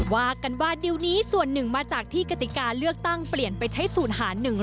ว่ากันว่าดิวนี้ส่วนหนึ่งมาจากที่กติกาเลือกตั้งเปลี่ยนไปใช้ศูนย์หาร๑๑